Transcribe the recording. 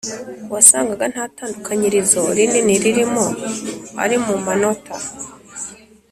wasangaga nta tandukanyirizo rinini ririmo, ari mu manota